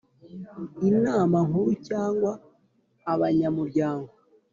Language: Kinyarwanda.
Inama Nkuru cyangwa abanyamuryango